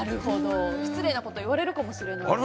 失礼なことを言われるかもしれないと。